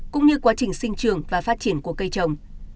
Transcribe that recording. cũng như quá trình sinh trường và phát triển của cây trồng